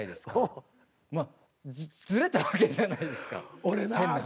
まあずれたわけじゃないですか変な話。